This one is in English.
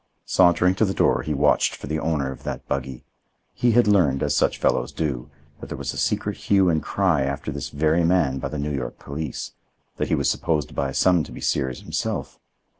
Sauntering to the door, he watched for the owner of that buggy. He had learned, as such fellows do, that there was a secret hue and cry after this very man by the New York police; that he was supposed by some to be Sears himself.